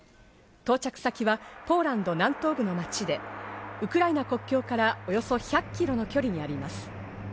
到着先はポーランド南東部の街でウクライナ国境から、およそ１００ｋｍの距離にあります。